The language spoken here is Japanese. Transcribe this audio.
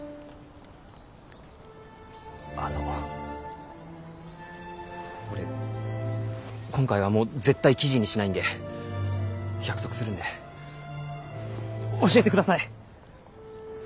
あの俺今回はもう絶対記事にしないんで約束するんで教えてください。